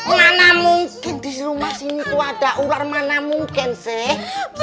mana mungkin di rumah sini tuh ada ular mana mungkin sih